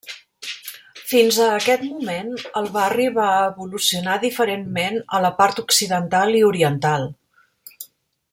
Fins a aquest moment, el barri va evolucionar diferentment a la part occidental i oriental.